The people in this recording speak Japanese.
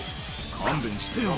「勘弁してよ